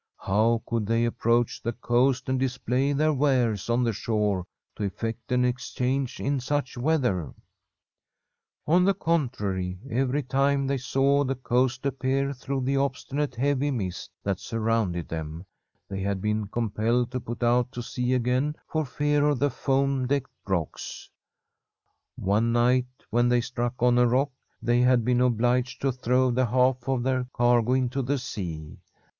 How could they approach the coast and display their wares on the shore to effect an exchange in such weather ? On the contrary, every time they saw the coast ap pear through the obstinate heavy mist that sur rounded them, they had been compelled to put out to sea again for fear of the foam decked rocks. One night, when they struck on a rock, they had been obliged to throw the half of their cargo into the sea.